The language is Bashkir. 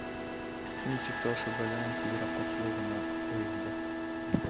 Нисек тә ошо бәләнән тиҙерәк ҡотолоу ғына уйында.